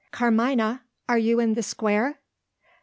"Carmina! are you in the Square?"